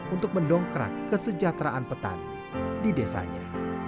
untuk mendongkrak kesejahteraan petani di desanya